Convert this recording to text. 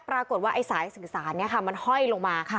ปรากฏว่าไอ้สายสื่อสารนี้ค่ะมันห้อยลงมา